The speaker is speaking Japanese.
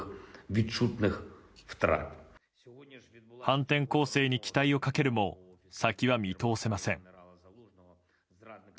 反転攻勢に期待をかけるも先は見通せません。